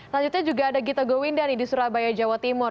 lanjutnya juga ada gita gowinda nih di surabaya jawa timur